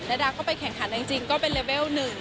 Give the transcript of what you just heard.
ดาดาก็ไปแข่งขันจริงก็เป็นเลเวลหนึ่ง